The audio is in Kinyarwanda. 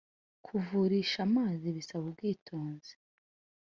kuvurisha amazi bisaba ubwitonzi